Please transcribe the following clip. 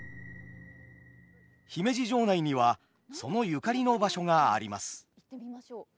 姫路城内にはそのゆかりの場所があります。